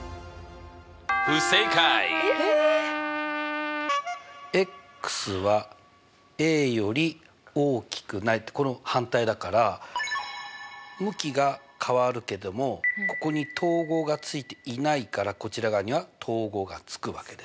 えっ？はより大きくないってこれの反対だから向きが変わるけどもここに等号がついていないからこちら側には等号がつくわけです。